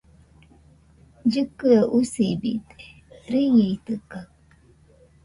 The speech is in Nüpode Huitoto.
Llɨkɨe usibide, rɨñeitɨkaɨ